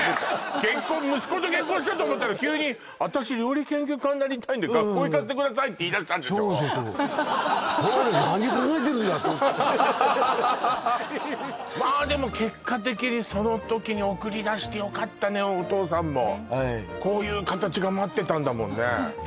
結婚息子と結婚したと思ったら急に私料理研究家になりたいんで学校行かせてくださいって言いだしたんでしょそうですよと思ってまあでも結果的にその時に送り出してよかったねお父さんもはいこういう形が待ってたんだもんね